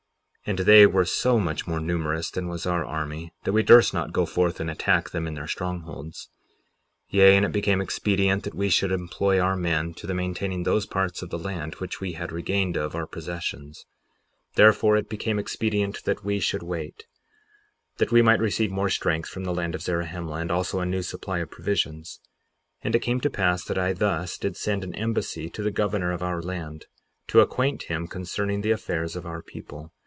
58:2 And they were so much more numerous than was our army that we durst not go forth and attack them in their strongholds. 58:3 Yea, and it became expedient that we should employ our men to the maintaining those parts of the land which we had regained of our possessions; therefore it became expedient that we should wait, that we might receive more strength from the land of Zarahemla and also a new supply of provisions. 58:4 And it came to pass that I thus did send an embassy to the governor of our land, to acquaint him concerning the affairs of our people.